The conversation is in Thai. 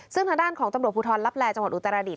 ซึ่งทางด้านของตำรวจพุทธรรพแหล่จังหวัดอุตรรดิษฐ์